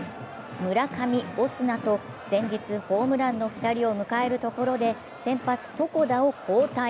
村上、オスナと前日ホームランの２人を迎えるところで先発・床田を交代。